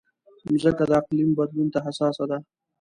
مځکه د اقلیم بدلون ته حساسه ده.